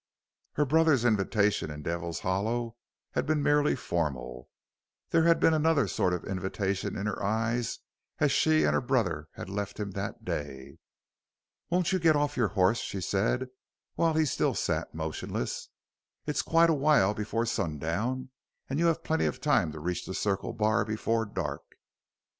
Her brother's invitation in Devil's Hollow had been merely formal; there had been another sort of invitation in her eyes as she and her brother had left him that day. "Won't you get off your horse?" she said while he still sat motionless. "It's quite a while before sundown and you have plenty of time to reach the Circle Bar before dark."